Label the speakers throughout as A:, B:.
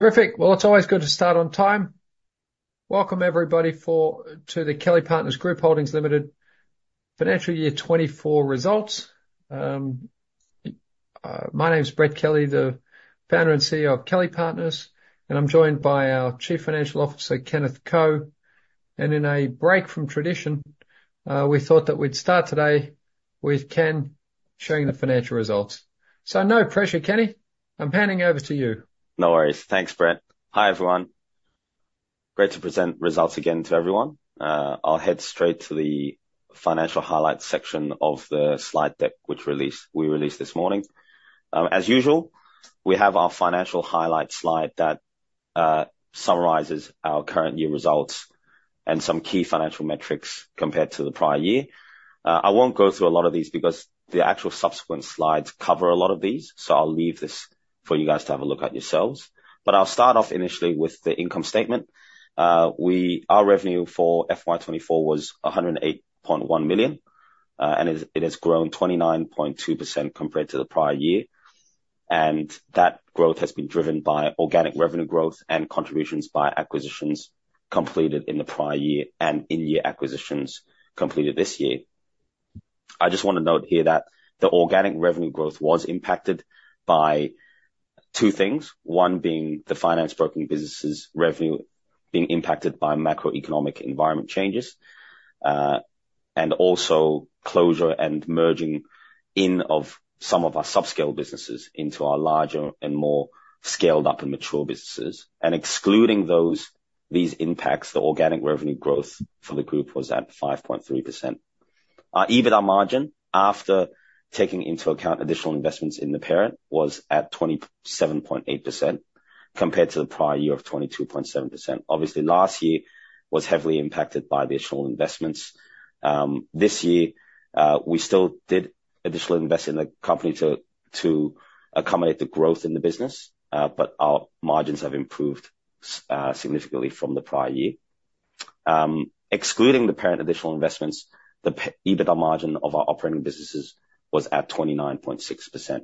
A: Terrific! It's always good to start on time. Welcome, everybody, to the Kelly Partners Group Holdings Limited Financial Year 2024 Results. My name is Brett Kelly, the founder and CEO of Kelly Partners, and I'm joined by our Chief Financial Officer, Kenneth Ko. In a break from tradition, we thought that we'd start today with Ken showing the financial results. So no pressure, Kenny. I'm handing over to you.
B: No worries. Thanks, Brett. Hi, everyone. Great to present results again to everyone. I'll head straight to the financial highlights section of the slide deck, which we released this morning. As usual, we have our financial highlight slide that summarizes our current year results and some key financial metrics compared to the prior year. I won't go through a lot of these because the actual subsequent slides cover a lot of these, so I'll leave this for you guys to have a look at yourselves. I'll start off initially with the income statement. Our revenue for FY 2024 was 108.1 million, and it has grown 29.2% compared to the prior year.
A: That growth has been driven by organic revenue growth and contributions by acquisitions completed in the prior year and in-year acquisitions completed this year. I just want to note here that the organic revenue growth was impacted by two things, one being the finance broking business's revenue being impacted by macroeconomic environment changes, and also closure and merging in of some of our subscale businesses into our larger and more scaled up and mature businesses. Excluding those impacts, the organic revenue growth for the group was at 5.3%. Our EBITDA margin, after taking into account additional investments in the parent, was at 27.8%, compared to the prior year of 22.7%. Obviously, last year was heavily impacted by the additional investments. This year, we still did additional investment in the company to accommodate the growth in the business, but our margins have improved significantly from the prior year. Excluding the parent additional investments, the EBITDA margin of our operating businesses was at 29.6%.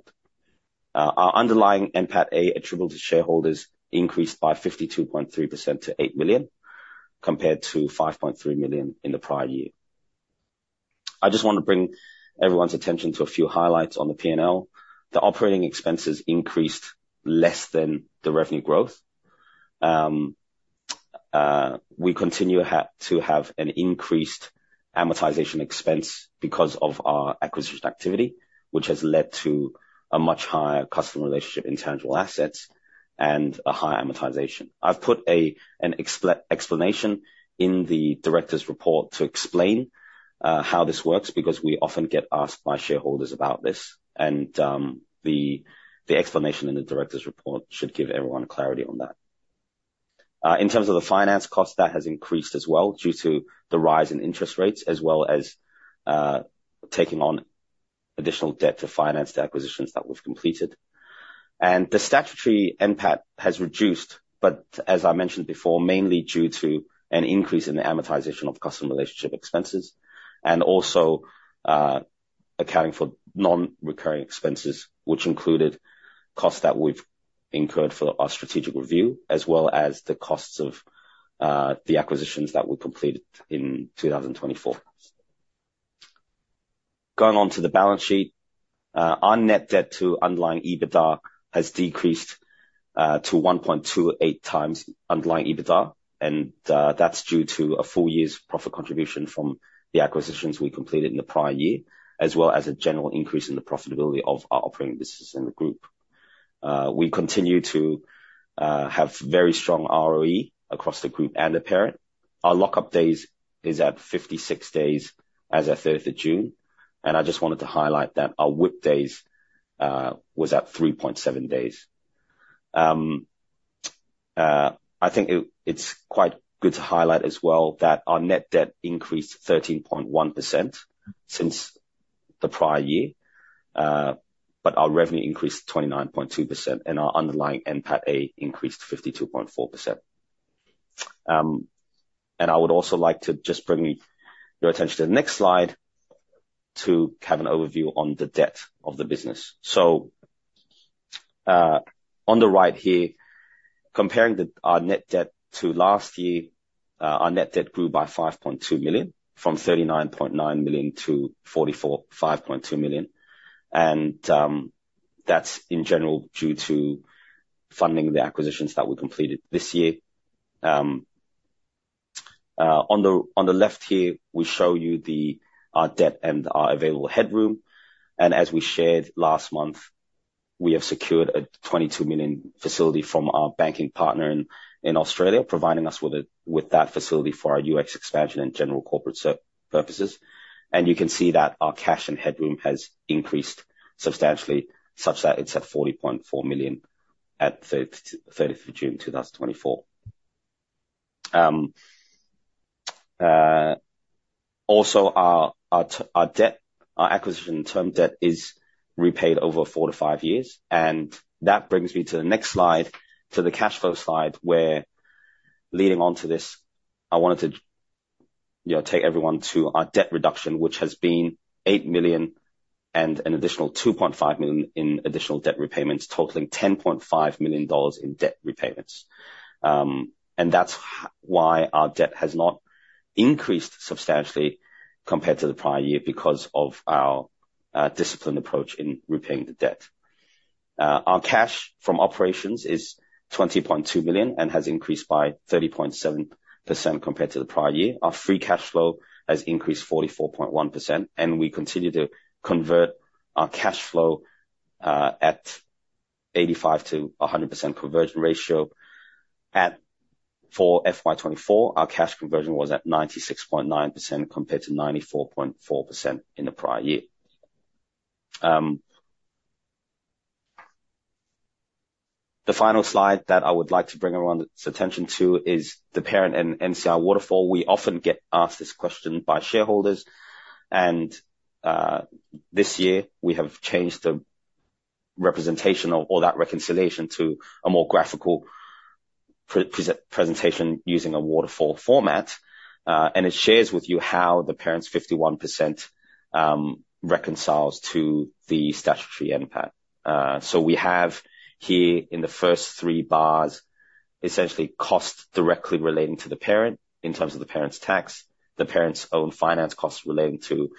A: Our underlying NPATA, attributable to shareholders, increased by 52.3% to 8 million, compared to 5.3 million in the prior year. I just want to bring everyone's attention to a few highlights on the P&L. The operating expenses increased less than the revenue growth. We continue to have an increased amortization expense because of our acquisition activity, which has led to a much higher customer relationship intangible assets and a higher amortization. I've put an explanation in the director's report to explain how this works, because we often get asked by shareholders about this, and the explanation in the director's report should give everyone clarity on that. In terms of the finance cost, that has increased as well due to the rise in interest rates, as well as taking on additional debt to finance the acquisitions that we've completed. And the statutory NPAT has reduced, but as I mentioned before, mainly due to an increase in the amortization of customer relationship expenses, and also accounting for non-recurring expenses, which included costs that we've incurred for our strategic review, as well as the costs of the acquisitions that were completed in 2024. Going on to the balance sheet, our net debt to underlying EBITDA has decreased to 1.28 times underlying EBITDA, and that's due to a full year's profit contribution from the acquisitions we completed in the prior year, as well as a general increase in the profitability of our operating business in the group. We continue to have very strong ROE across the group and the parent. Our lockup days is at 56 days as at third of June, and I just wanted to highlight that our WIP days was at 3.7 days. I think it's quite good to highlight as well that our net debt increased 13.1% since the prior year, but our revenue increased 29.2%, and our underlying NPAT A increased 52.4%. And I would also like to just bring your attention to the next slide to have an overview on the debt of the business. So on the right here, comparing our net debt to last year, our net debt grew by 5.2 million, from 39.9 million to 45.2 million. And that's in general due to funding the acquisitions that we completed this year. On the left here, we show you our debt and our available headroom, and as we shared last month, we have secured a 22 million facility from our banking partner in Australia, providing us with that facility for our US expansion and general corporate purposes. And you can see that our cash and headroom has increased substantially, such that it's at $40.4 million at the 30th June, 2024. Also our debt, our acquisition term debt is repaid over four to five years, and that brings me to the next slide, to the cash flow slide, where leading on to this, I wanted to you know, take everyone to our debt reduction, which has been $8 million and an additional $2.5 million in additional debt repayments, totaling $10.5 million in debt repayments. And that's why our debt has not increased substantially compared to the prior year, because of our disciplined approach in repaying the debt. Our cash from operations is 20.2 million and has increased by 30.7% compared to the prior year. Our free cash flow has increased 44.1%, and we continue to convert our cash flow at 85%-100% conversion ratio. For FY 2024, our cash conversion was at 96.9%, compared to 94.4% in the prior year. The final slide that I would like to bring everyone's attention to is the parent and NCI waterfall. We often get asked this question by shareholders, and this year we have changed the representation or that reconciliation to a more graphical presentation, using a waterfall format. And it shares with you how the parent's 51%, reconciles to the statutory NPAT. So we have here in the first three bars, essentially costs directly relating to the parent, in terms of the parent's tax, the parent's own finance costs relating to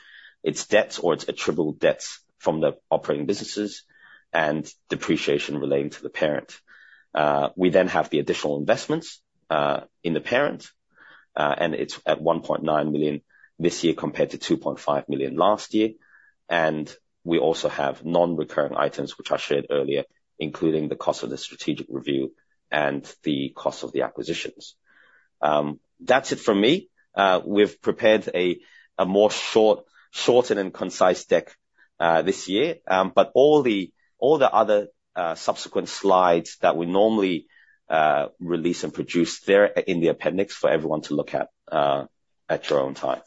A: its debts or its attributable debts from the operating businesses, and depreciation relating to the parent. We then have the additional investments in the parent, and it's at 1.9 million this year, compared to 2.5 million last year. And we also have non-recurring items, which I shared earlier, including the cost of the strategic review and the cost of the acquisitions. That's it from me. We've prepared a more shortened and concise deck this year. But all the other subsequent slides that we normally release and produce, they're in the appendix for everyone to look at in your own time.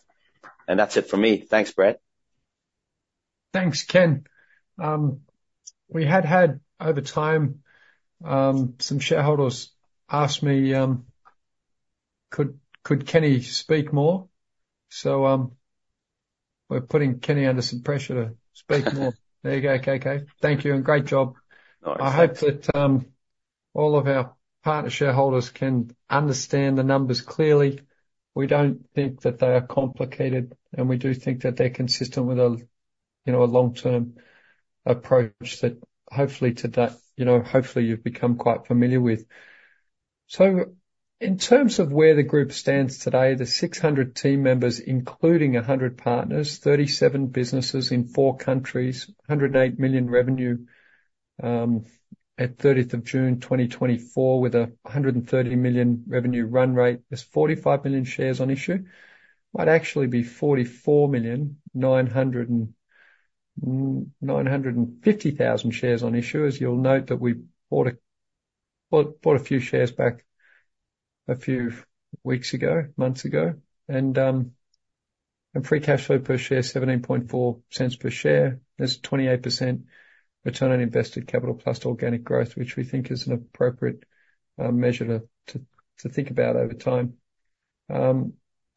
A: That's it for me. Thanks, Brett. Thanks, Ken. We had over time some shareholders ask me, "Could Kenny speak more?" So, we're putting Kenny under some pressure to speak more. There you go, KK. Thank you, and great job.
B: All right.
A: I hope that all of our partner shareholders can understand the numbers clearly. We don't think that they are complicated, and we do think that they're consistent with a, you know, a long-term approach, that hopefully today, you know, hopefully you've become quite familiar with, so in terms of where the group stands today, the 600 team members, including 100 partners, 37 businesses in four countries, 108 million revenue, at 30th of June, 2024, with a 130 million revenue run rate. There are 45 million shares on issue. It might actually be 44.95 million shares on issue, as you'll note that we bought a few shares back a few weeks ago, months ago. And free cash flow per share, 0.174 per share. There's 28% return on invested capital plus organic growth, which we think is an appropriate measure to think about over time.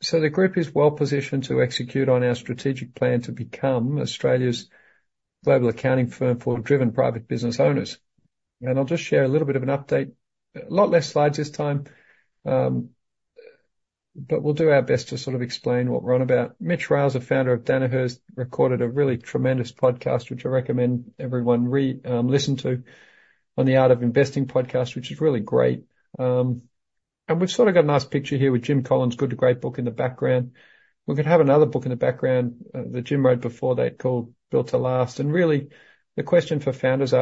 A: So the group is well positioned to execute on our strategic plan to become Australia's global accounting firm for driven private business owners. And I'll just share a little bit of an update. A lot less slides this time, but we'll do our best to sort of explain what we're on about. Mitch Rales, a founder of Danaher, recorded a really tremendous podcast, which I recommend everyone listen to on the Art of Investing podcast, which is really great. And we've sort of got a nice picture here with Jim Collins' Good to Great book in the background. We could have another book in the background, that Jim wrote before that, called Built to Last. Really, the question for founders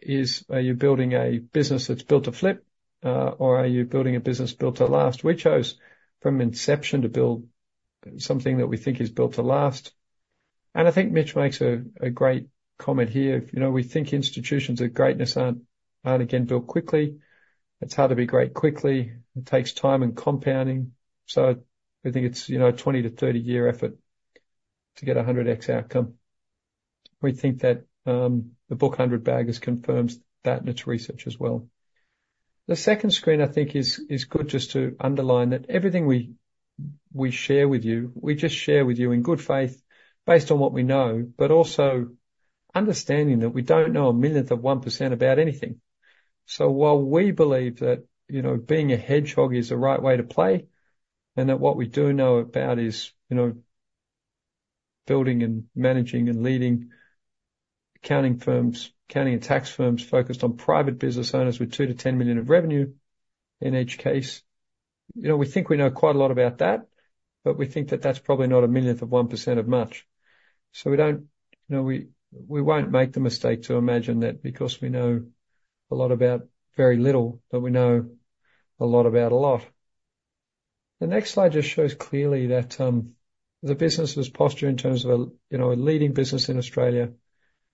A: is, are you building a business that's built to flip? Or are you building a business built to last? We chose, from inception, to build something that we think is built to last, and I think Mitch makes a great comment here. You know, we think institutions of greatness aren't built quickly. It's hard to be great quickly. It takes time and compounding. So we think it's a 20- to 30-year effort to get a hundred X outcome. We think that the book Hundred Baggers confirms that in its research as well. The second screen, I think, is good just to underline that everything we share with you, we just share with you in good faith, based on what we know, but also understanding that we don't know a millionth of 1% about anything. So while we believe that, you know, being a hedgehog is the right way to play, and that what we do know about is, you know, building and managing and leading accounting firms, accounting and tax firms, focused on private business owners with two to 10 million of revenue in each case, you know, we think we know quite a lot about that, but we think that that's probably not a millionth of 1% of much. So we don't... You know, we won't make the mistake to imagine that because we know a lot about very little, that we know a lot about a lot. The next slide just shows clearly that the business's posture in terms of a, you know, a leading business in Australia,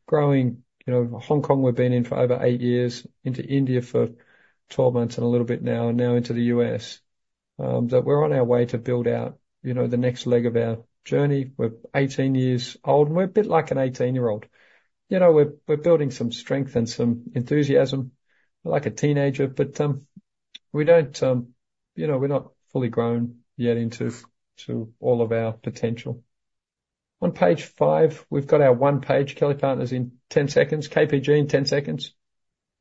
A: growing. You know, Hong Kong, we've been in for over eight years, into India for 12 months and a little bit now, and now into the US. That we're on our way to build out, you know, the next leg of our journey. We're 18 years old, and we're a bit like an 18-year-old. You know, we're, we're building some strength and some enthusiasm... like a teenager, but, we don't, you know, we're not fully grown yet into all of our potential. On page five, we've got our one page, Kelly Partners, in ten seconds, KPG in ten seconds.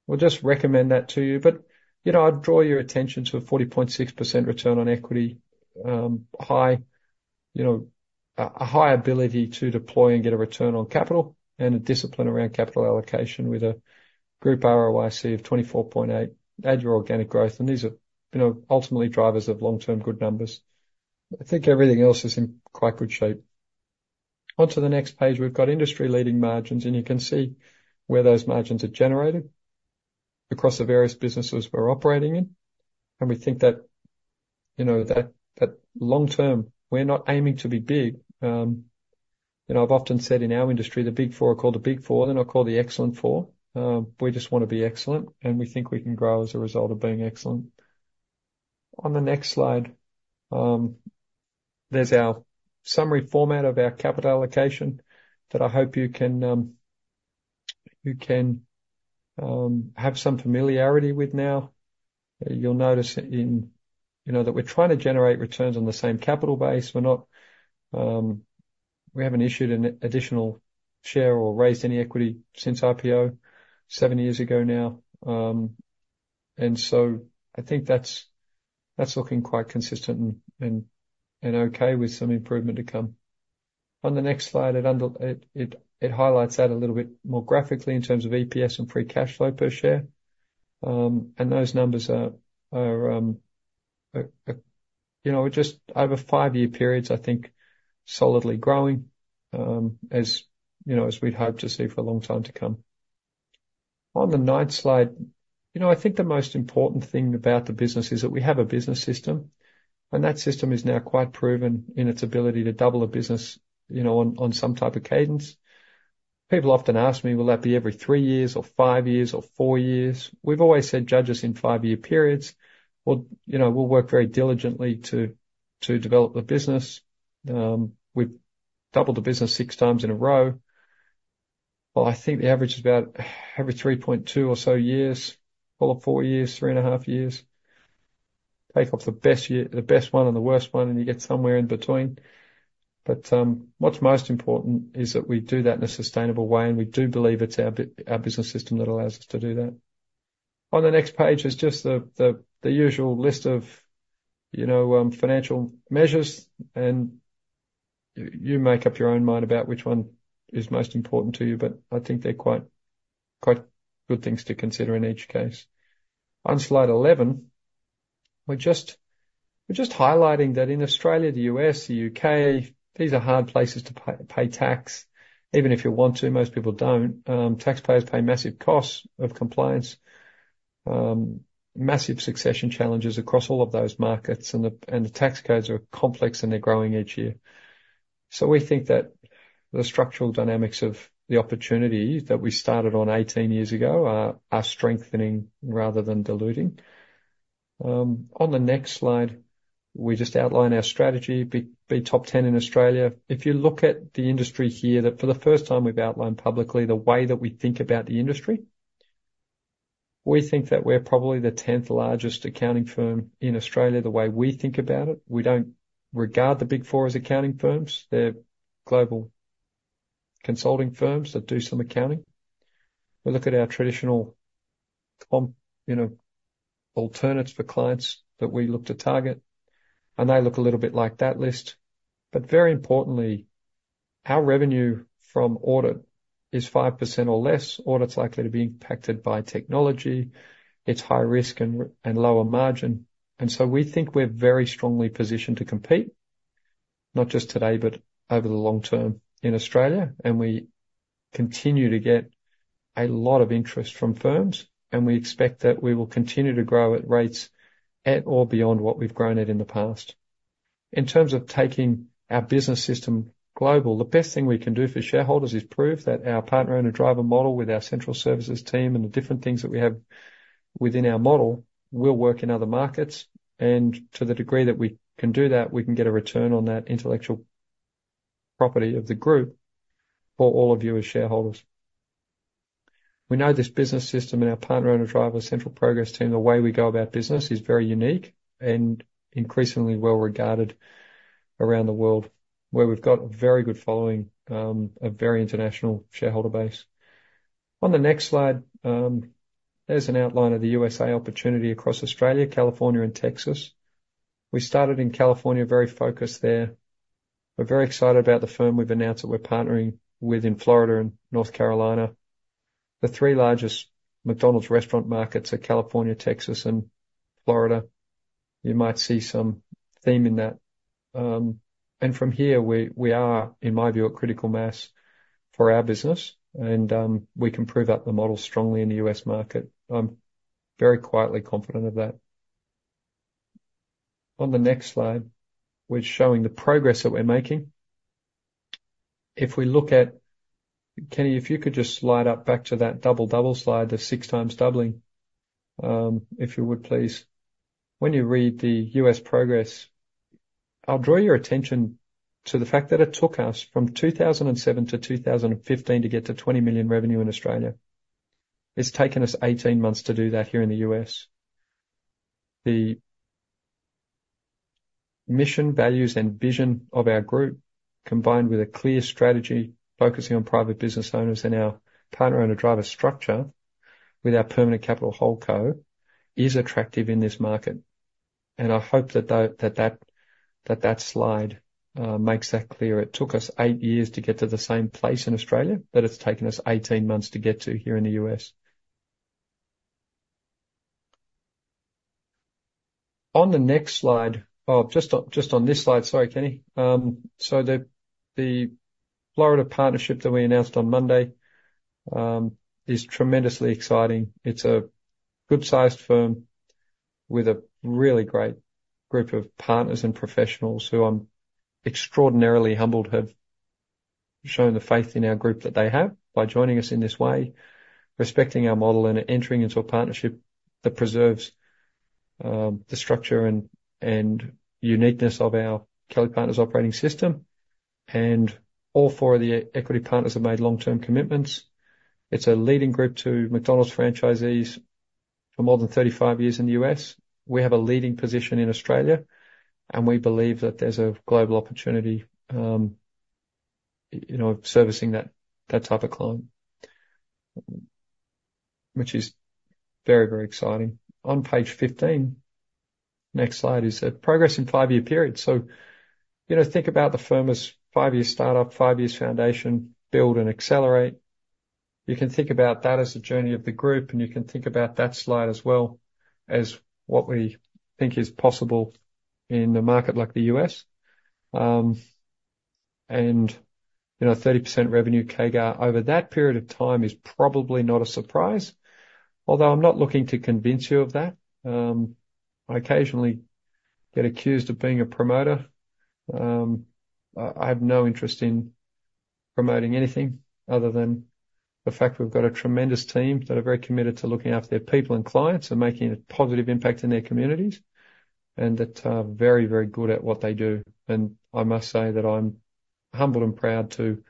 A: We'll just recommend that to you, but, you know, I'd draw your attention to a 40.6% return on equity. High, you know, a high ability to deploy and get a return on capital, and a discipline around capital allocation with a group ROIC of 24.8. Add your organic growth, and these are, you know, ultimately drivers of long-term good numbers. I think everything else is in quite good shape. Onto the next page, we've got industry-leading margins, and you can see where those margins are generated across the various businesses we're operating in. We think that, you know, that long-term, we're not aiming to be big. You know, I've often said in our industry, the Big Four are called the Big Four, they're not called the Excellent Four. We just wanna be excellent, and we think we can grow as a result of being excellent. On the next slide, there's our summary format of our capital allocation that I hope you can have some familiarity with now. You'll notice in... You know, that we're trying to generate returns on the same capital base. We're not, we haven't issued an additional share or raised any equity since IPO, seven years ago now. And so I think that's looking quite consistent and okay with some improvement to come. On the next slide, it highlights that a little bit more graphically in terms of EPS and free cash flow per share. And those numbers are, you know, just over five-year periods, I think, solidly growing, as, you know, as we'd hope to see for a long time to come. On the ninth slide, you know, I think the most important thing about the business is that we have a business system, and that system is now quite proven in its ability to double a business, you know, on some type of cadence. People often ask me, "Will that be every three years or five years or four years?" We've always said, "Judge us in five-year periods." We'll, you know, we'll work very diligently to develop the business. We've doubled the business six times in a row. Well, I think the average is about every three point two or so years, or four years, three and a half years. Take off the best year, the best one and the worst one, and you get somewhere in between. But what's most important is that we do that in a sustainable way, and we do believe it's our business system that allows us to do that. On the next page is just the usual list of, you know, financial measures, and you make up your own mind about which one is most important to you, but I think they're quite good things to consider in each case. On slide eleven, we're just highlighting that in Australia, the U.S., the U.K., these are hard places to pay tax, even if you want to. Most people don't. Taxpayers pay massive costs of compliance, massive succession challenges across all of those markets, and the tax codes are complex, and they're growing each year, so we think that the structural dynamics of the opportunity that we started on 18 years ago are strengthening rather than diluting. On the next slide, we just outline our strategy. Be top 10 in Australia. If you look at the industry here, that for the first time we've outlined publicly the way that we think about the industry. We think that we're probably the 10th largest accounting firm in Australia, the way we think about it. We don't regard the Big Four as accounting firms. They're global consulting firms that do some accounting. We look at our traditional comp... You know, alternatives for clients that we look to target, and they look a little bit like that list. But very importantly, our revenue from audit is 5% or less. Audit's likely to be impacted by technology. It's high risk and lower margin. And so we think we're very strongly positioned to compete, not just today, but over the long term in Australia, and we continue to get a lot of interest from firms, and we expect that we will continue to grow at rates at or beyond what we've grown at in the past. In terms of taking our business system global, the best thing we can do for shareholders is prove that our Partner-Owner-Driver model, with our central services team and the different things that we have within our model, will work in other markets. To the degree that we can do that, we can get a return on that intellectual property of the group for all of you as shareholders. We know this business system and our Partner-Owner-Driver central progress team, the way we go about business, is very unique and increasingly well regarded around the world, where we've got a very good following, a very international shareholder base. On the next slide, there's an outline of the USA opportunity across Australia, California and Texas. We started in California, very focused there. We're very excited about the firm we've announced that we're partnering with in Florida and North Carolina. The three largest McDonald's restaurant markets are California, Texas, and Florida. You might see some theme in that. And from here we are, in my view, a critical mass for our business and we can prove out the model strongly in the US market. I'm very quietly confident of that. On the next slide, we're showing the progress that we're making. If we look at... Kenny, if you could just slide up back to that double slide, the six times doubling, if you would, please. When you read the US progress, I'll draw your attention to the fact that it took us from 2007 to 2015 to get to 20 million revenue in Australia. It's taken us 18 months to do that here in the US. The mission, values, and vision of our group, combined with a clear strategy focusing on private business owners and our partner-owner driver structure, with our permanent capital holdco, is attractive in this market. I hope that slide makes that clear. It took us 8 years to get to the same place in Australia, but it's taken us 18 months to get to here in the US. On the next slide. Oh, just on this slide. Sorry, Kenny. So the Florida partnership that we announced on Monday is tremendously exciting. It's a good-sized firm with a really great group of partners and professionals, who I'm extraordinarily humbled have shown the faith in our group that they have by joining us in this way, respecting our model and entering into a partnership that preserves the structure and uniqueness of our Kelly Partners operating system. And all four of the equity partners have made long-term commitments. It's a leading group to McDonald's franchisees for more than thirty-five years in the U.S. We have a leading position in Australia, and we believe that there's a global opportunity, you know, servicing that type of client, which is very, very exciting. On page fifteen, next slide, is a progress in five-year periods, so you know, think about the firm as five-year startup, five years foundation, build and accelerate. You can think about that as the journey of the group, and you can think about that slide as well, as what we think is possible in a market like the U.S., and you know, 30% revenue CAGR over that period of time is probably not a surprise, although I'm not looking to convince you of that. I occasionally get accused of being a promoter. I have no interest in promoting anything, other than the fact we've got a tremendous team that are very committed to looking after their people and clients, and making a positive impact in their communities, and that are very, very good at what they do, and I must say that I'm humbled and proud to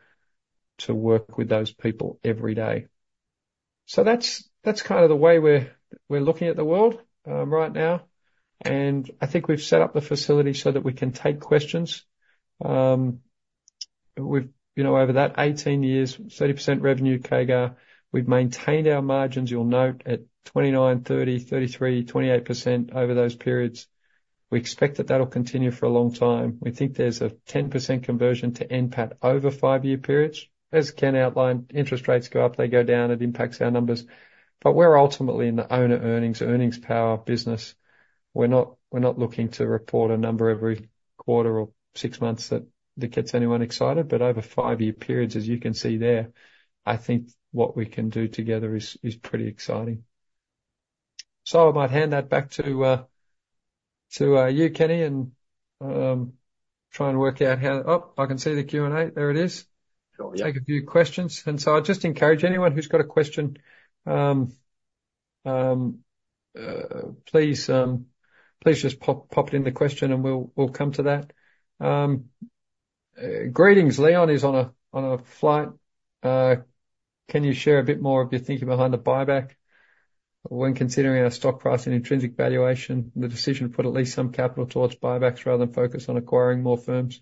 A: work with those people every day. So that's kind of the way we're looking at the world right now, and I think we've set up the facility so that we can take questions. You know, over that eighteen years, 30% revenue CAGR, we've maintained our margins, you'll note, at 29%, 30%, 33%, 28% over those periods. We expect that that'll continue for a long time. We think there's a 10% conversion to NPAT over five-year periods. As Ken outlined, interest rates go up, they go down, it impacts our numbers. But we're ultimately in the owner earnings, earnings power business. We're not looking to report a number every quarter or six months that gets anyone excited. But over five-year periods, as you can see there, I think what we can do together is pretty exciting. So I might hand that back to you, Kenny, and try and work out how... Oh, I can see the Q&A. There it is.
B: Sure, yeah.
A: Take a few questions and so I just encourage anyone who's got a question, please just pop it in the question, and we'll come to that. Greetings. Leon is on a flight. Can you share a bit more of your thinking behind the buyback when considering our stock price and intrinsic valuation, the decision to put at least some capital towards buybacks rather than focus on acquiring more firms?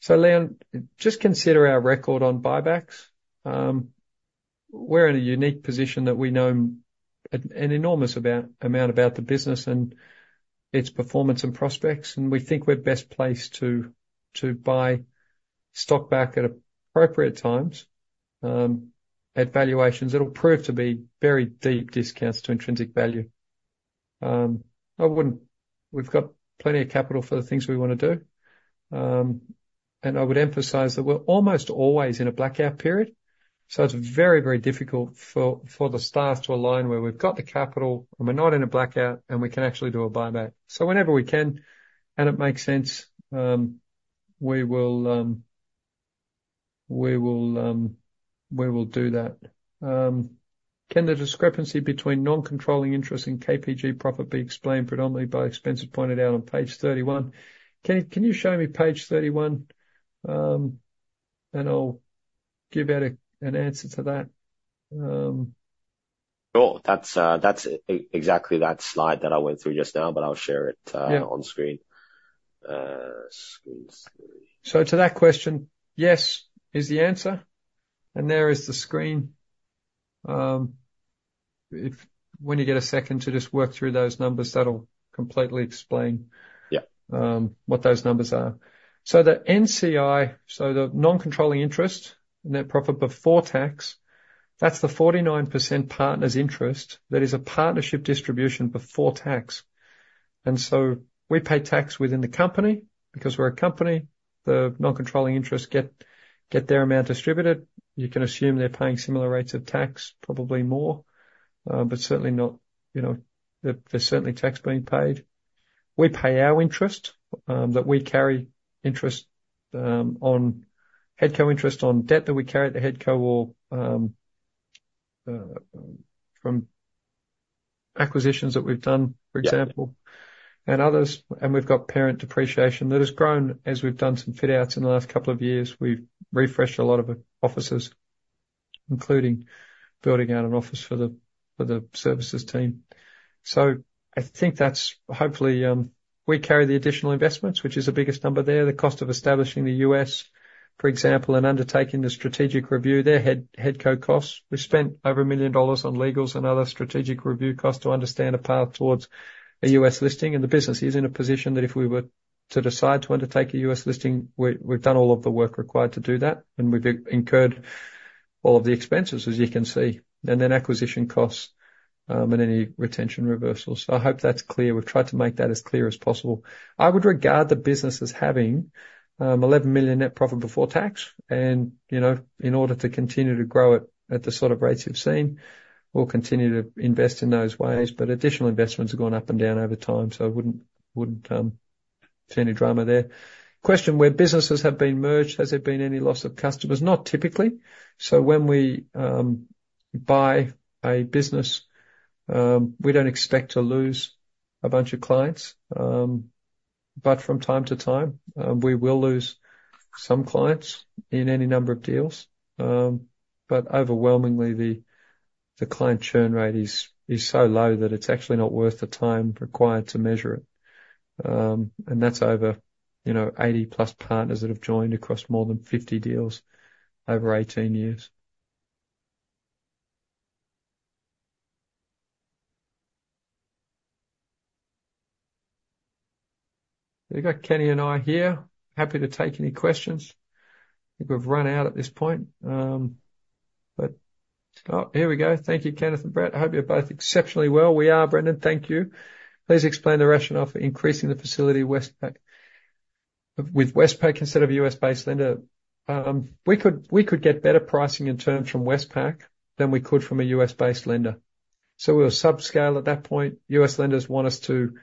A: So, Leon, just consider our record on buybacks. We're in a unique position that we know an enormous amount about the business and its performance and prospects, and we think we're best placed to buy stock back at appropriate times, at valuations that'll prove to be very deep discounts to intrinsic value. I wouldn't... We've got plenty of capital for the things we wanna do. And I would emphasize that we're almost always in a blackout period, so it's very, very difficult for the staff to align where we've got the capital, and we're not in a blackout, and we can actually do a buyback. So whenever we can, and it makes sense, we will do that. Can the discrepancy between non-controlling interest and KPG profit be explained predominantly by expenses pointed out on page 31? Ken, can you show me page 31, and I'll give an answer to that.
B: Sure. That's exactly that slide that I went through just now, but I'll share it.
A: Yeah...
B: on screen. Screen three.
A: To that question, yes, is the answer, and there is the screen. When you get a second to just work through those numbers, that'll completely explain-
B: Yeah...
A: what those numbers are. So the NCI, so the non-controlling interest, net profit before tax, that's the 49% partner's interest. That is a partnership distribution before tax, and so we pay tax within the company, because we're a company. The non-controlling interests get their amount distributed. You can assume they're paying similar rates of tax, probably more, but certainly not... You know, there's certainly tax being paid. We pay our interest that we carry interest on head co interest on debt that we carry at the head co or from acquisitions that we've done, for example, and others, and we've got parent depreciation that has grown as we've done some fit outs in the last couple of years. We've refreshed a lot of the offices, including building out an office for the services team. I think that's hopefully we carry the additional investments, which is the biggest number there. The cost of establishing the U.S., for example, and undertaking the strategic review, there had headcount costs. We've spent over 1 million dollars on legals and other strategic review costs to understand a path towards a U.S. listing, and the business is in a position that if we were to decide to undertake a U.S. listing, we've done all of the work required to do that, and we've incurred all of the expenses, as you can see, and then acquisition costs, and any retention reversals. I hope that's clear. We've tried to make that as clear as possible. I would regard the business as having 11 million net profit before tax, and you know, in order to continue to grow it at the sort of rates you've seen, we'll continue to invest in those ways, but additional investments have gone up and down over time, so I wouldn't see any drama there. Question: Where businesses have been merged, has there been any loss of customers? Not typically. So when we buy a business, we don't expect to lose a bunch of clients. But from time to time, we will lose some clients in any number of deals. But overwhelmingly, the client churn rate is so low that it's actually not worth the time required to measure it. That's over you know, 80-plus partners that have joined across more than 50 deals over eighteen years. You've got Kenny and I here, happy to take any questions. I think we've run out at this point. Thank you, Kenneth and Brett. I hope you're both exceptionally well. We are, Brendan, thank you. Please explain the rationale for increasing the facility with Westpac instead of a US-based lender. We could get better pricing in turn from Westpac than we could from a US-based lender. So we were subscale at that point. US lenders want us to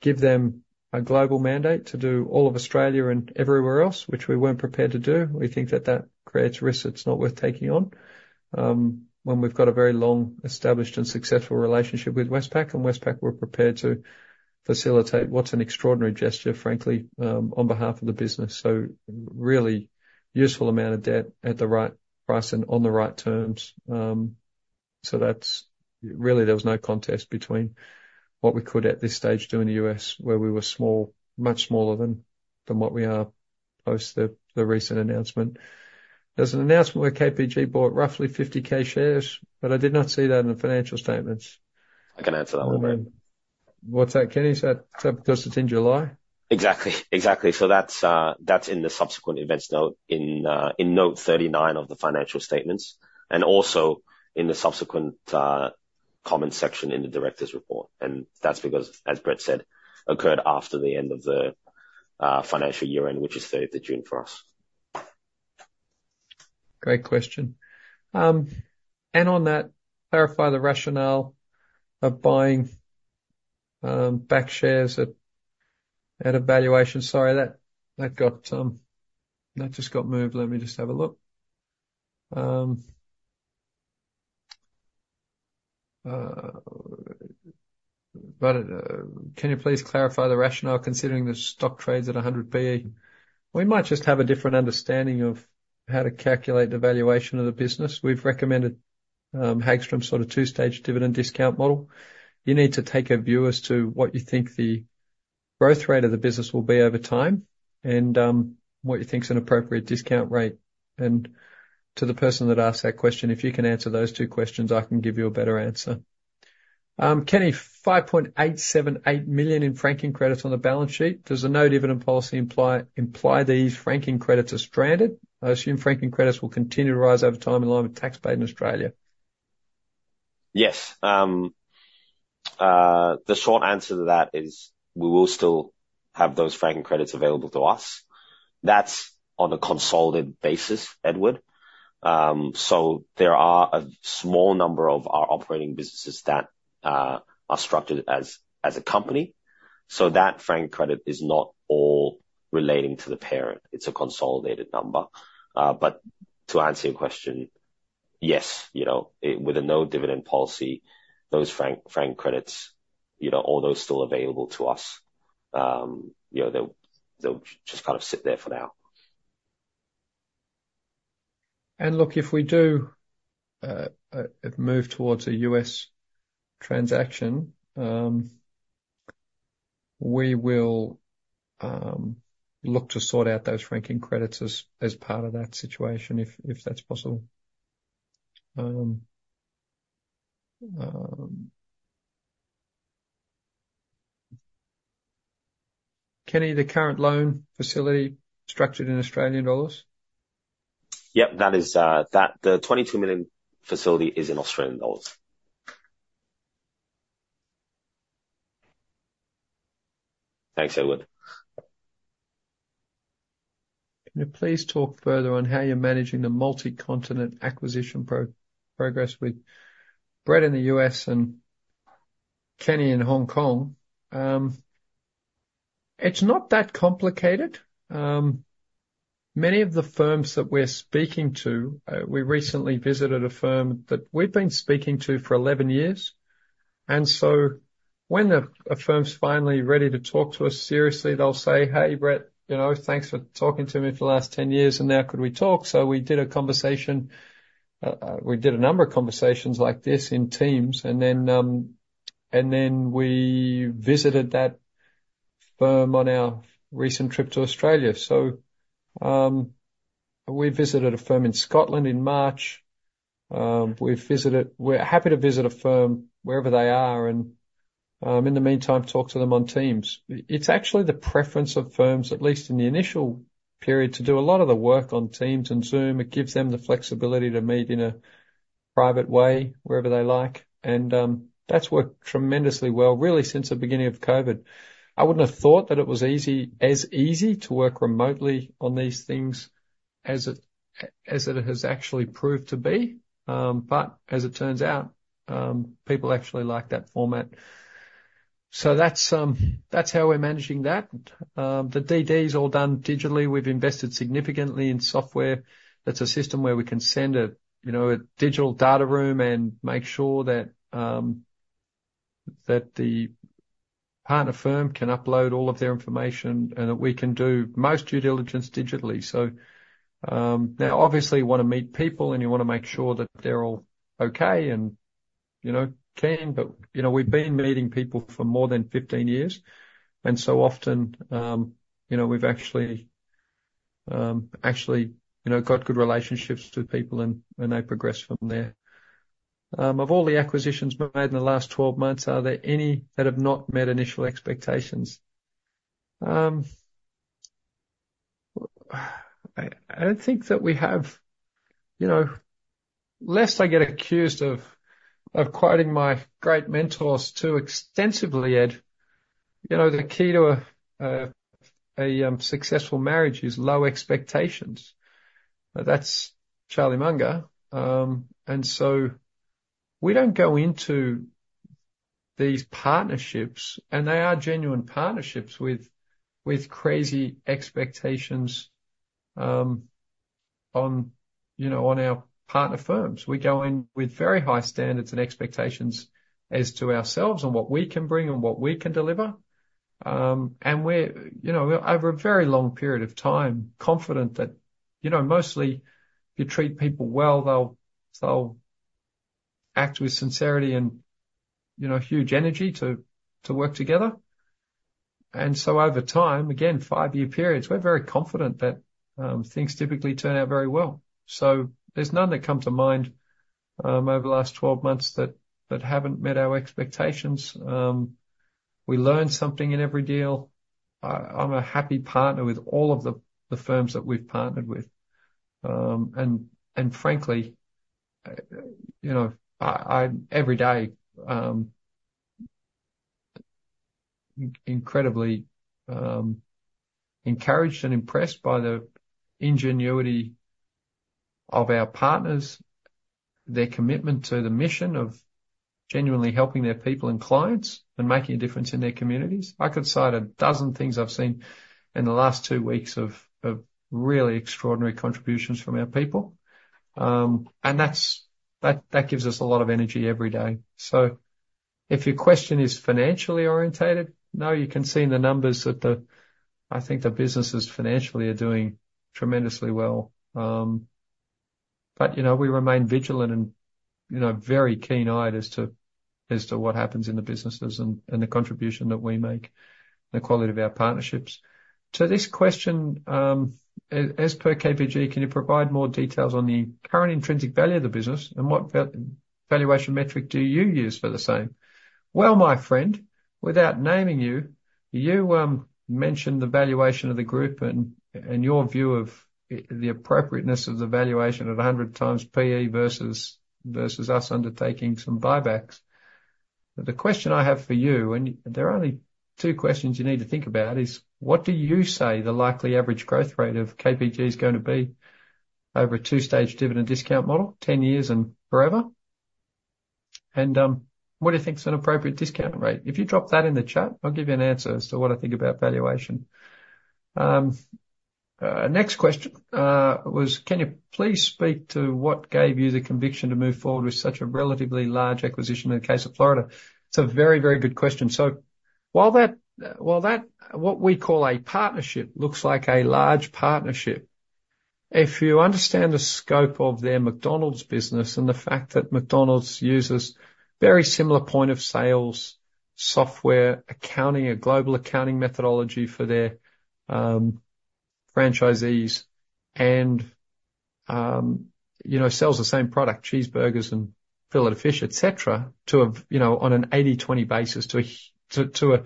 A: give them a global mandate to do all of Australia and everywhere else, which we weren't prepared to do. We think that creates risks it's not worth taking on, when we've got a very long-established and successful relationship with Westpac, and Westpac were prepared to facilitate what's an extraordinary gesture, frankly, on behalf of the business. So really useful amount of debt at the right price and on the right terms. That's really, there was no contest between what we could, at this stage, do in the U.S., where we were small, much smaller than what we are post the recent announcement. There's an announcement where KPG bought roughly 50k shares, but I did not see that in the financial statements.
B: I can answer that one, Brett.
A: What's that, Kenny? Is that because it's in July?
B: Exactly, exactly. So that's in the subsequent events note in note thirty-nine of the financial statements, and also in the subsequent comment section in the director's report. And that's because, as Brett said, occurred after the end of the financial year-end, which is third of June for us.
A: Great question. And on that, clarify the rationale of buying back shares at a valuation. Sorry, that got moved. Let me just have a look. But can you please clarify the rationale, considering the stock trades at 100 PE? We might just have a different understanding of how to calculate the valuation of the business. We've recommended Hagstrom sort of two-stage dividend discount model. You need to take a view as to what you think the growth rate of the business will be over time, and what you think is an appropriate discount rate. And to the person that asked that question, if you can answer those two questions, I can give you a better answer. Kenny, 5.878 million in franking credits on the balance sheet. Does the no dividend policy imply these Franking Credits are stranded? I assume Franking Credits will continue to rise over time along with tax paid in Australia.
B: Yes, the short answer to that is we will still have those franking credits available to us. That's on a consolidated basis, Edward. So there are a small number of our operating businesses that are structured as a company. So that franking credit is not all relating to the parent. It's a consolidated number. But to answer your question, yes, you know, with a no dividend policy, those franking credits, you know, are those still available to us? You know, they'll just kind of sit there for now.
A: Look, if we do move towards a US transaction, we will look to sort out those franking credits as part of that situation, if that's possible. Kenny, the current loan facility structured in AUD?
B: Yep, that is, that the 22 million facility is in Australian dollars. Thanks, Edward.
A: Can you please talk further on how you're managing the multi-continent acquisition progress with Brett in the US and Kenny in Hong Kong? It's not that complicated. Many of the firms that we're speaking to. We recently visited a firm that we've been speaking to for 11 years, and so when a firm's finally ready to talk to us seriously, they'll say, "Hey, Brett, you know, thanks for talking to me for the last 10 years, and now could we talk?" So we did a conversation. We did a number of conversations like this in Teams, and then we visited that firm on our recent trip to Australia. So, we visited a firm in Scotland in March. We're happy to visit a firm wherever they are, and in the meantime, talk to them on Teams. It's actually the preference of firms, at least in the initial period, to do a lot of the work on Teams and Zoom. It gives them the flexibility to meet in a private way, wherever they like, and that's worked tremendously well, really since the beginning of COVID. I wouldn't have thought that it was easy, as easy to work remotely on these things as it has actually proved to be, but as it turns out, people actually like that format, so that's how we're managing that. The DD is all done digitally. We've invested significantly in software. That's a system where we can send a, you know, a digital data room and make sure that the partner firm can upload all of their information, and that we can do most due diligence digitally. So now, obviously you wanna meet people, and you wanna make sure that they're all okay and, you know, can, but, you know, we've been meeting people for more than fifteen years, and so often, you know, we've actually got good relationships with people and they progress from there. Of all the acquisitions we've made in the last twelve months, are there any that have not met initial expectations? I don't think that we have. You know, lest I get accused of quoting my great mentors too extensively, Ed, you know, the key to a successful marriage is low expectations. That's Charlie Munger, and so we don't go into these partnerships, and they are genuine partnerships, with crazy expectations on, you know, on our partner firms. We go in with very high standards and expectations as to ourselves and what we can bring and what we can deliver. And we're, you know, over a very long period of time, confident that, you know, mostly if you treat people well, they'll act with sincerity and, you know, huge energy to work together. So over time, again, five-year periods, we're very confident that things typically turn out very well. So there's none that come to mind over the last twelve months that haven't met our expectations. We learn something in every deal. I'm a happy partner with all of the firms that we've partnered with. And frankly, you know, I... Every day, incredibly, encouraged and impressed by the ingenuity of our partners, their commitment to the mission of genuinely helping their people and clients, and making a difference in their communities. I could cite a dozen things I've seen in the last two weeks of really extraordinary contributions from our people. And that gives us a lot of energy every day. So if your question is financially orientated, no, you can see in the numbers that the... I think the businesses financially are doing tremendously well. But, you know, we remain vigilant and, you know, very keen eyed as to what happens in the businesses and the contribution that we make, the quality of our partnerships. To this question, as per KPG, can you provide more details on the current intrinsic value of the business, and what valuation metric do you use for the same? Well, my friend, without naming you, you mentioned the valuation of the group and your view of the appropriateness of the valuation at 100 times PE versus us undertaking some buybacks. The question I have for you, and there are only two questions you need to think about, is what do you say the likely average growth rate of KPG is gonna be over a two-stage dividend discount model, 10 years and forever? And what do you think is an appropriate discount rate? If you drop that in the chat, I'll give you an answer as to what I think about valuation. Next question was, can you please speak to what gave you the conviction to move forward with such a relatively large acquisition in the case of Florida? It's a very, very good question. So while that, what we call a partnership, looks like a large partnership, if you understand the scope of their McDonald's business and the fact that McDonald's uses very similar point of sales, software, accounting, a global accounting methodology for their, franchisees and, you know, sells the same product, cheeseburgers and Filet-O-Fish, et cetera, to a, you know, on an eighty/twenty basis to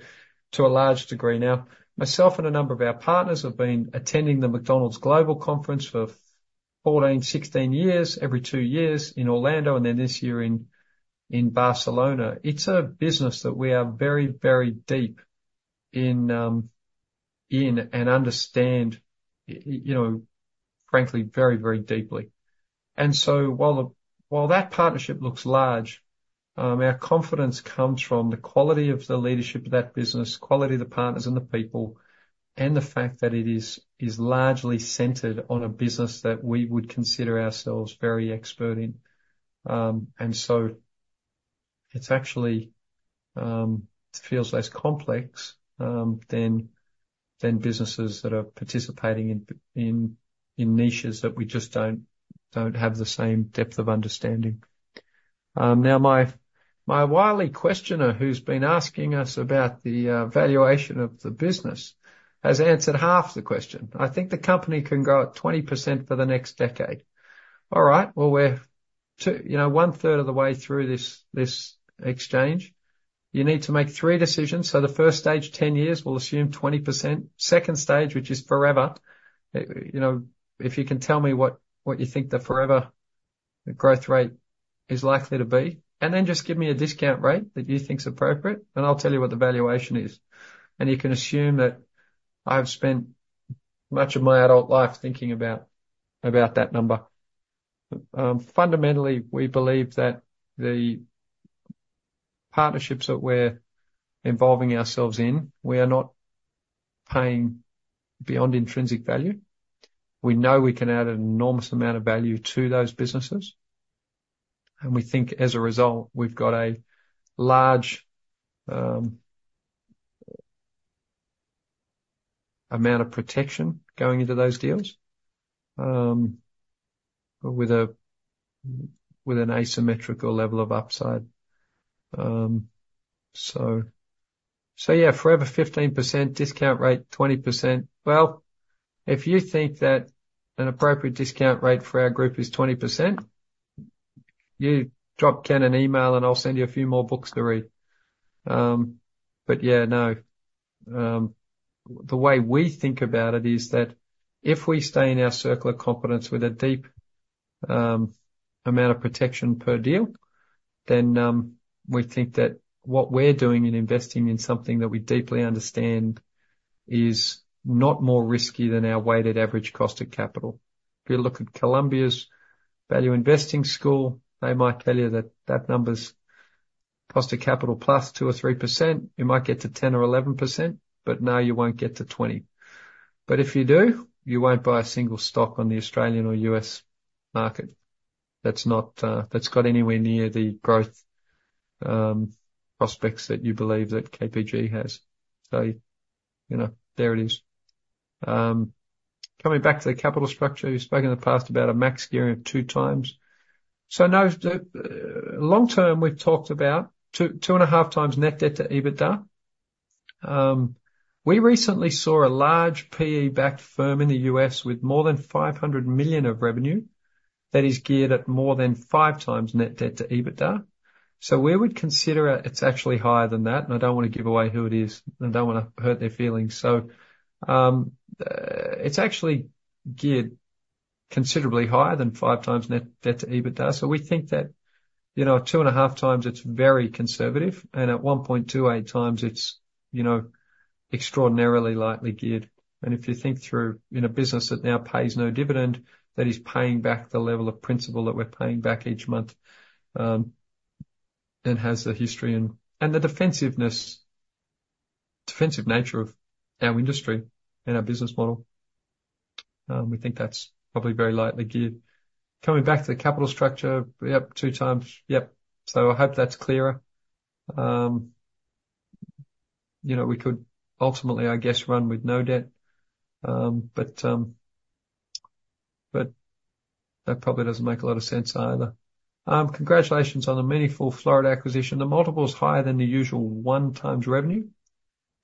A: a large degree. Now, myself and a number of our partners have been attending the McDonald's Global Conference for 14, 16 years, every two years in Orlando, and then this year in Barcelona. It's a business that we are very, very deep in, in and understand, you know, frankly, very, very deeply, and so while that partnership looks large, our confidence comes from the quality of the leadership of that business, quality of the partners and the people, and the fact that it is largely centered on a business that we would consider ourselves very expert in, and so it's actually it feels less complex than businesses that are participating in niches that we just don't have the same depth of understanding. Now, my wily questioner, who's been asking us about the valuation of the business, has answered half the question. I think the company can grow at 20% for the next decade. All right, well, we're two... You know, one third of the way through this exchange. You need to make three decisions. The first stage, 10 years, we'll assume 20%. Second stage, which is forever, you know, if you can tell me what you think the forever growth rate is likely to be, and then just give me a discount rate that you think is appropriate, and I'll tell you what the valuation is, and you can assume that I've spent much of my adult life thinking about that number. Fundamentally, we believe that the partnerships that we're involving ourselves in, we are not paying beyond intrinsic value. We know we can add an enormous amount of value to those businesses, and we think as a result, we've got a large amount of protection going into those deals, with an asymmetrical level of upside. Yeah, forever 15%, discount rate, 20%. If you think that an appropriate discount rate for our group is 20%, drop Ken an email, and I'll send you a few more books to read. Yeah, no. The way we think about it is that if we stay in our circle of competence with a deep amount of protection per deal, then we think that what we're doing in investing in something that we deeply understand is not more risky than our weighted average cost of capital. If you look at Columbia's value investing school, they might tell you that that number's cost of capital plus 2% or 3%, you might get to 10% or 11%, but no, you won't get to 20%. But if you do, you won't buy a single stock on the Australian or U.S. market that's not, that's got anywhere near the growth, prospects that you believe that KPG has. So, you know, there it is. Coming back to the capital structure, you've spoken in the past about a max gearing of two times. So no, the long term, we've talked about two, two and a half times net debt to EBITDA. We recently saw a large PE-backed firm in the U.S. with more than 500 million of revenue that is geared at more than five times net debt to EBITDA. So we would consider it, it's actually higher than that, and I don't want to give away who it is. I don't want to hurt their feelings. So, it's actually geared considerably higher than five times net debt to EBITDA. So we think that, you know, two and a half times, it's very conservative, and at one point two eight times, it's, you know, extraordinarily lightly geared. And if you think through, in a business that now pays no dividend, that is paying back the level of principal that we're paying back each month, and has the history and the defensive nature of our industry and our business model, we think that's probably very lightly geared. Coming back to the capital structure, yep, two times. Yep. So I hope that's clearer. You know, we could ultimately, I guess, run with no debt, but that probably doesn't make a lot of sense either. Congratulations on the meaningful Florida acquisition. The multiple is higher than the usual one times revenue,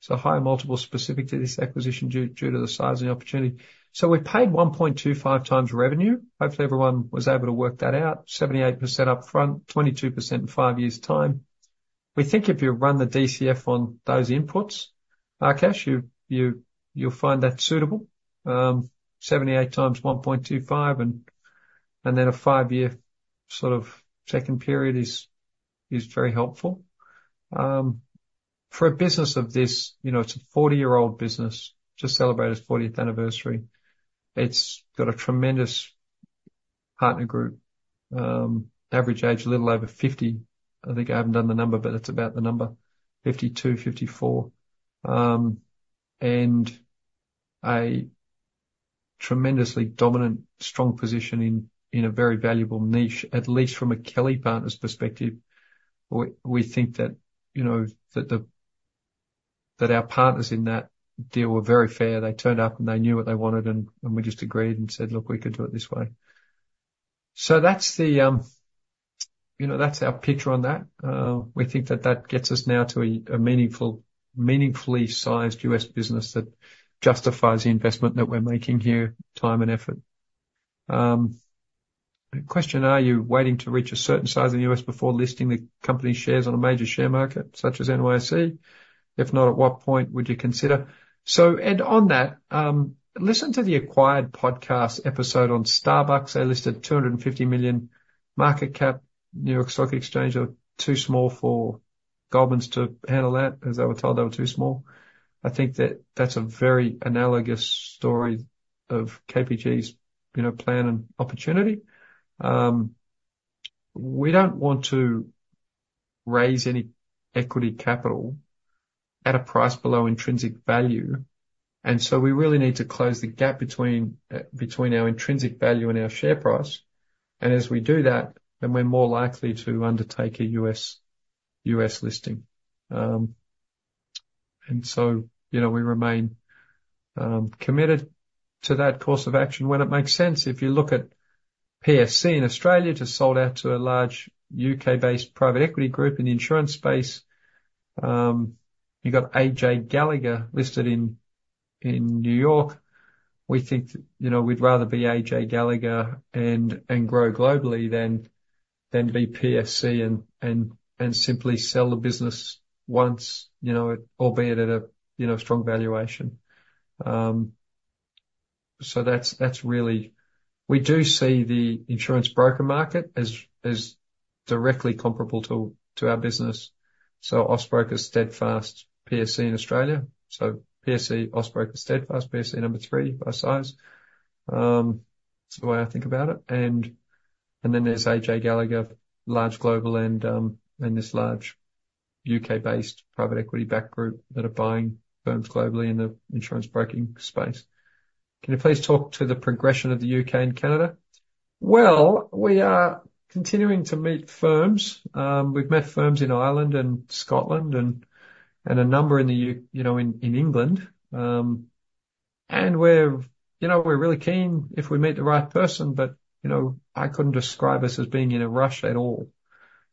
A: so a higher multiple specific to this acquisition due to the size of the opportunity. We paid 1.25 times revenue. Hopefully, everyone was able to work that out. 78% upfront, 22% in five years' time. We think if you run the DCF on those inputs, Rakesh, you'll find that suitable. 78 times 1.25 and then a five-year sort of second period is very helpful. For a business of this, you know, it's a 40-year-old business, just celebrated its 40th anniversary. It's got a tremendous partner group. Average age, a little over 50. I think I haven't done the number, but it's about the number. 52, 54. And a tremendously dominant, strong position in a very valuable niche, at least from a Kelly Partners perspective. We think that, you know, that the that our partners in that deal were very fair. They turned up, and they knew what they wanted, and we just agreed and said, "Look, we could do it this way." So that's the, you know, that's our picture on that. We think that that gets us now to a meaningfully sized U.S. business that justifies the investment that we're making here, time and effort. Question, are you waiting to reach a certain size in the U.S. before listing the company's shares on a major share market, such as NYSE? If not, at what point would you consider? So, and on that, listen to the Acquired podcast episode on Starbucks. They listed two hundred and fifty million market cap, New York Stock Exchange, are too small for Goldman's to handle that, as they were told they were too small. I think that that's a very analogous story of KPG's, you know, plan and opportunity. We don't want to raise any equity capital at a price below intrinsic value, and so we really need to close the gap between between our intrinsic value and our share price. And as we do that, then we're more likely to undertake a US listing. And so, you know, we remain committed to that course of action when it makes sense. If you look at PSC in Australia, just sold out to a large UK-based private equity group in the insurance space. You got AJ Gallagher listed in New York. We think, you know, we'd rather be AJ Gallagher and grow globally than be PSC and simply sell the business once, you know, albeit at a, you know, strong valuation. So that's really. We do see the insurance broker market as directly comparable to our business. So Austbrokers, Steadfast, PSC in Australia. So PSC, Austbrokers, Steadfast, PSC, number three by size. That's the way I think about it. And then there's AJ Gallagher, large, global, and this large UK-based private equity-backed group that are buying firms globally in the insurance broking space. Can you please talk to the progression of the UK and Canada? We are continuing to meet firms. We've met firms in Ireland and Scotland and a number in the UK. You know, in England. and we're, you know, we're really keen if we meet the right person, but, you know, I couldn't describe us as being in a rush at all.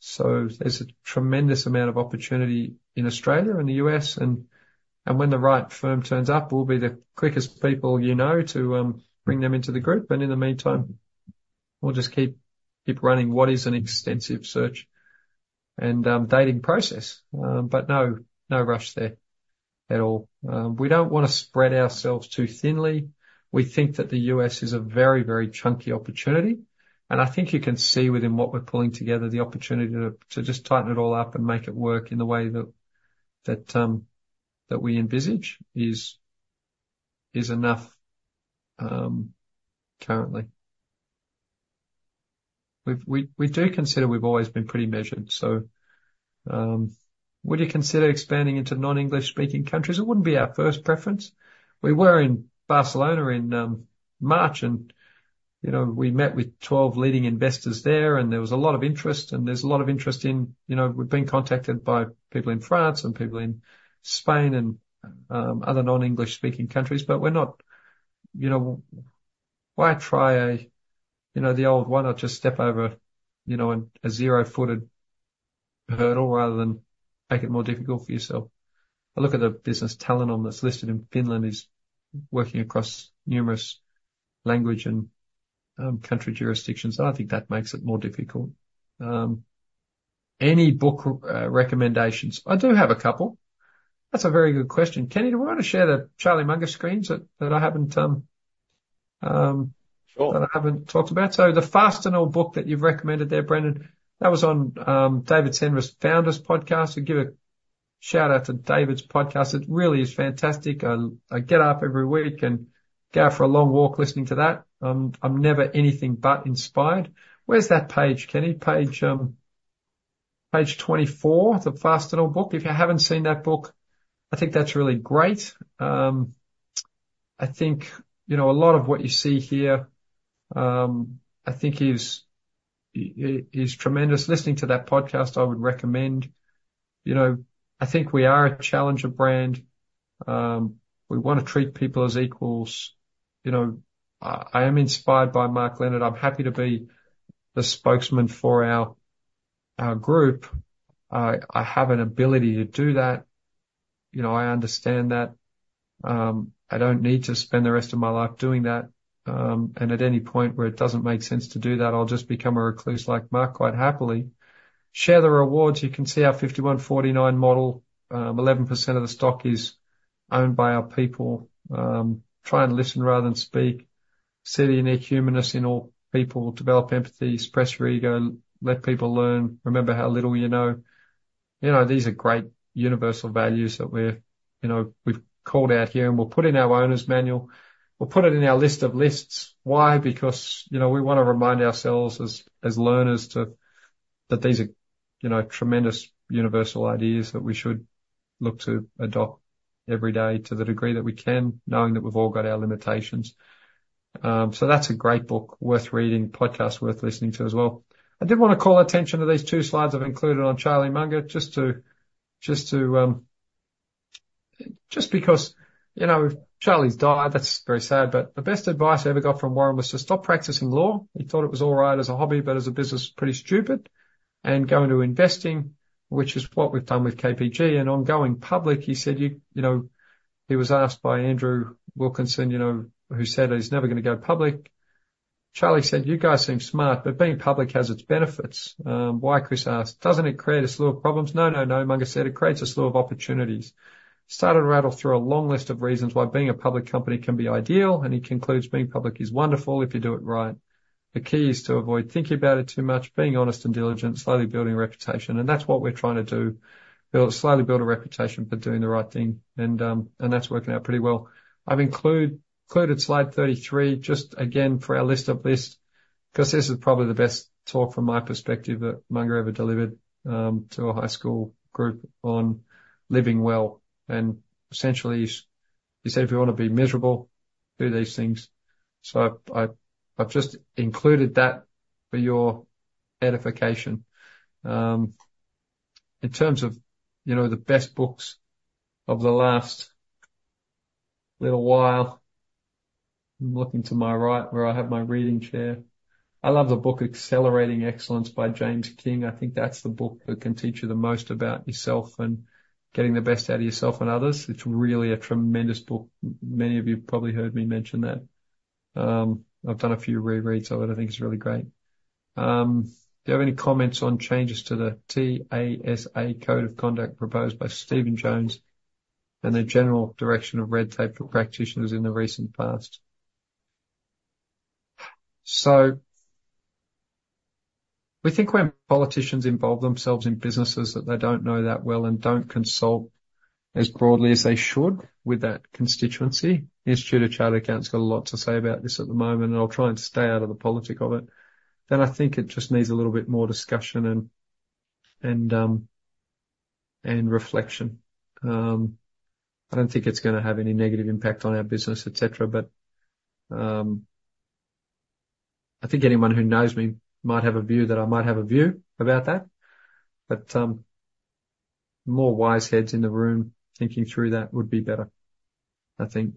A: So there's a tremendous amount of opportunity in Australia and the US, and when the right firm turns up, we'll be the quickest people you know to bring them into the group. And in the meantime, we'll just keep running what is an extensive search and dating process. But no, no rush there at all. We don't wanna spread ourselves too thinly. We think that the US is a very, very chunky opportunity, and I think you can see within what we're pulling together, the opportunity to just tighten it all up and make it work in the way that we envisage is enough currently. We do consider we've always been pretty measured, so would you consider expanding into non-English speaking countries? It wouldn't be our first preference. We were in Barcelona in March and, you know, we met with twelve leading investors there, and there was a lot of interest and there's a lot of interest in, you know, we've been contacted by people in France, and people in Spain, and other non-English speaking countries. But we're not. You know, why try a, you know, the old why not just step over, you know, a zero-footed hurdle rather than make it more difficult for yourself? I look at the business, Talenom, that's listed in Finland, is working across numerous language and country jurisdictions, and I think that makes it more difficult. Any book recommendations? I do have a couple. That's a very good question. Kenny, do you want to share the Charlie Munger screens that I haven't
B: Sure.
A: - that I haven't talked about? So the Fastenal book that you've recommended there, Brendan, that was on David Senra's Founders Podcast. I give a shout-out to David's podcast. It really is fantastic. I get up every week and go for a long walk listening to that. I'm never anything but inspired. Where's that page, Kenny? Page 24, the Fastenal book. If you haven't seen that book, I think that's really great. I think, you know, a lot of what you see here, I think is tremendous. Listening to that podcast, I would recommend. You know, I think we are a challenger brand. We wanna treat people as equals. You know, I am inspired by Mark Leonard. I'm happy to be the spokesman for our group. I have an ability to do that. You know, I understand that. I don't need to spend the rest of my life doing that, and at any point where it doesn't make sense to do that, I'll just become a recluse like Mark, quite happily. Share the rewards. You can see our 51-49 model. Eleven percent of the stock is owned by our people. Try and listen rather than speak. See the unique humanness in all people. Develop empathy. Suppress your ego and let people learn. Remember how little you know. You know, these are great universal values that we're, you know, we've called out here, and we'll put in our owner's manual. We'll put it in our list of lists. Why? Because, you know, we wanna remind ourselves as, as learners, to... That these are, you know, tremendous universal ideas that we should look to adopt every day to the degree that we can, knowing that we've all got our limitations. So that's a great book worth reading, podcast worth listening to as well. I did want to call attention to these two slides I've included on Charlie Munger, just because, you know, Charlie's died, that's very sad, but the best advice I ever got from Warren was to stop practicing law. He thought it was all right as a hobby, but as a business, pretty stupid. And go into investing, which is what we've done with KPG. And on going public, he said, you know, he was asked by Andrew Wilkinson, you know, who said that he's never gonna go public. Charlie said, "You guys seem smart, but being public has its benefits." "Why?" Chris asked, "Doesn't it create a slew of problems?" "No, no, no," Munger said, "it creates a slew of opportunities." He started to rattle through a long list of reasons why being a public company can be ideal, and he concludes, "Being public is wonderful if you do it right." The key is to avoid thinking about it too much, being honest and diligent, slowly building a reputation, and that's what we're trying to do, build, slowly build a reputation for doing the right thing, and that's working out pretty well. I've included slide 33, just again for our list of lists, because this is probably the best talk from my perspective that Munger ever delivered to a high school group on living well. And essentially, he said, "If you wanna be miserable, do these things." So I've just included that for your edification. In terms of, you know, the best books of the last little while, I'm looking to my right, where I have my reading chair. I love the book, Accelerating Excellence by James King. I think that's the book that can teach you the most about yourself and getting the best out of yourself and others. It's really a tremendous book. Many of you have probably heard me mention that. I've done a few rereads of it. I think it's really great. Do you have any comments on changes to the TASA Code of Conduct proposed by Stephen Jones, and the general direction of red tape for practitioners in the recent past? We think when politicians involve themselves in businesses that they don't know that well, and don't consult as broadly as they should with that constituency, the Institute of Chartered Accountants has got a lot to say about this at the moment, and I'll try and stay out of the politics of it. Then I think it just needs a little bit more discussion and reflection. I don't think it's gonna have any negative impact on our business, et cetera, but I think anyone who knows me might have a view that I might have a view about that. But more wise heads in the room thinking through that would be better, I think.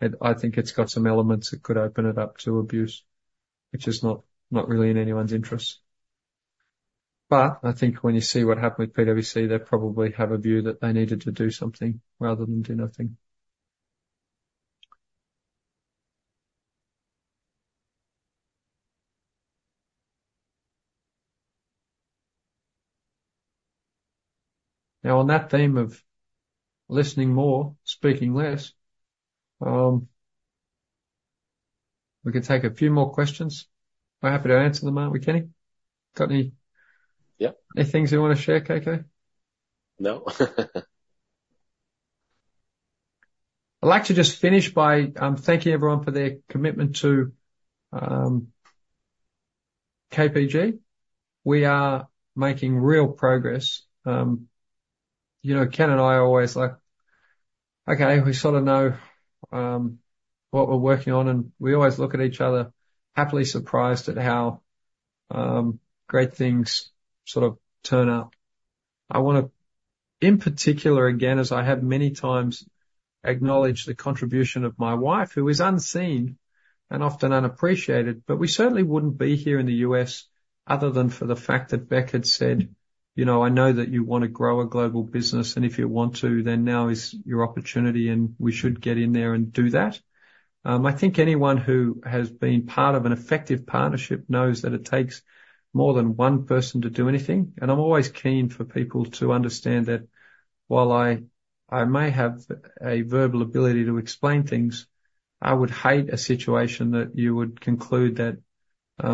A: And I think it's got some elements that could open it up to abuse, which is not really in anyone's interests. But I think when you see what happened with PwC, they probably have a view that they needed to do something rather than do nothing. Now, on that theme of listening more, speaking less, we can take a few more questions. We're happy to answer them, aren't we, Kenny? Got any-
B: Yep.
A: Any things you want to share, KK?
B: No.
A: I'd like to just finish by thanking everyone for their commitment to KPG. We are making real progress. You know, Ken and I are always like, "Okay, we sort of know what we're working on." And we always look at each other, happily surprised at how great things sort of turn out. I wanna, in particular, again, as I have many times, acknowledge the contribution of my wife, who is unseen and often unappreciated. But we certainly wouldn't be here in the U.S. other than for the fact that Brett had said, "You know, I know that you want to grow a global business, and if you want to, then now is your opportunity, and we should get in there and do that." I think anyone who has been part of an effective partnership knows that it takes more than one person to do anything. And I'm always keen for people to understand that while I may have a verbal ability to explain things, I would hate a situation that you would conclude that,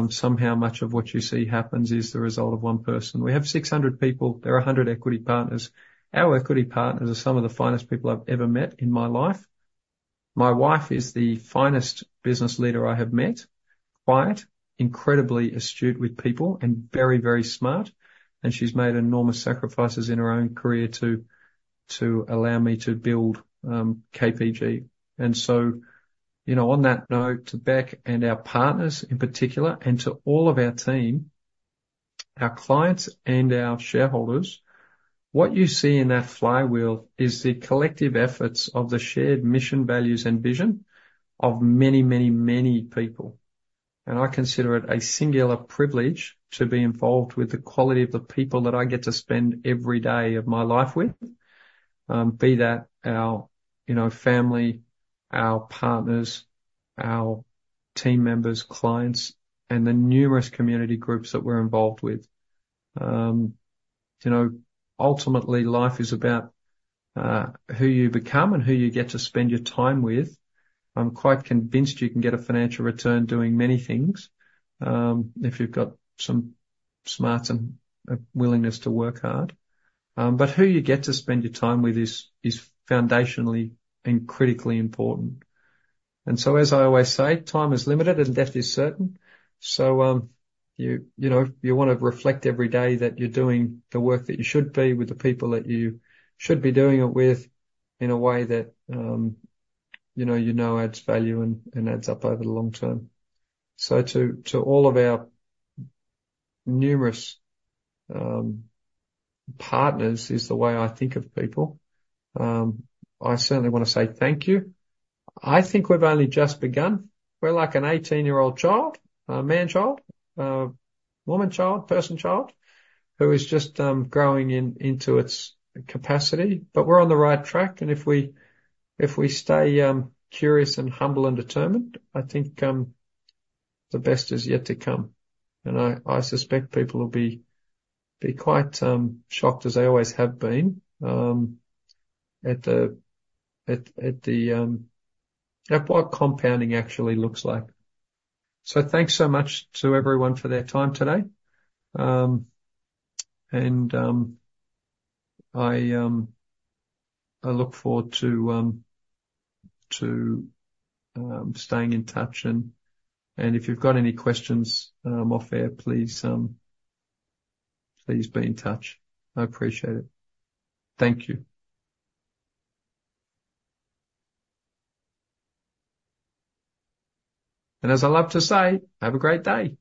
A: somehow much of what you see happens is the result of one person. We have 600 people. There are a hundred equity partners. Our equity partners are some of the finest people I've ever met in my life. My wife is the finest business leader I have met. Quiet, incredibly astute with people, and very, very smart, and she's made enormous sacrifices in her own career to allow me to build KPG. And so, you know, on that note, to Beck and our partners in particular, and to all of our team, our clients and our shareholders, what you see in that flywheel is the collective efforts of the shared mission, values, and vision of many, many, many people. And I consider it a singular privilege to be involved with the quality of the people that I get to spend every day of my life with, be that our, you know, family, our partners, our team members, clients, and the numerous community groups that we're involved with. You know, ultimately, life is about who you become and who you get to spend your time with. I'm quite convinced you can get a financial return doing many things if you've got some smarts and a willingness to work hard. But who you get to spend your time with is foundationally and critically important. And so as I always say, time is limited and death is certain. You know, you want to reflect every day that you're doing the work that you should be, with the people that you should be doing it with, in a way that you know adds value and adds up over the long term. To all of our numerous partners, the way I think of people, I certainly want to say thank you. I think we've only just begun. We're like an eighteen-year-old child, a man-child, a woman-child, person-child, who is just growing into its capacity. But we're on the right track, and if we stay curious and humble and determined, I think the best is yet to come. And I suspect people will be quite shocked, as they always have been, at what compounding actually looks like. So thanks so much to everyone for their time today. And I look forward to staying in touch, and if you've got any questions off air, please be in touch. I appreciate it. Thank you. And as I love to say, have a great day!